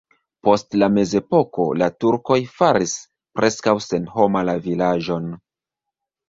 Post la mezepoko la turkoj faris preskaŭ senhoma la vilaĝon.